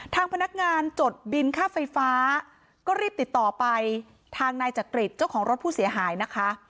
ทางพนักงานจดบินค่าไฟฟ้าก็รีบติดต่อไปทางนายจักริตเจ้าของรถผู้เสียหายนะคะ